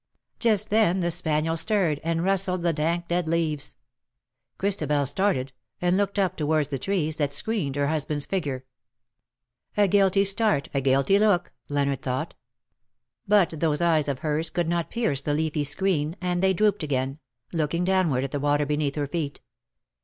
Just then the spaniel stirred, and rustled the dank dead leaves — Christabel started, and looked up towards the trees that screened her husband's figure. 228 '^^LOVE BORE SUCH BITTER A guilty start_, a guilty look, Leonard thought. But those eyes of hers could not pierce the leafy screen, and they drooped again,, looking downward at the water beneath her feet.